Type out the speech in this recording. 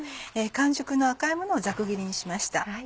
完熟の赤いものをざく切りにしました。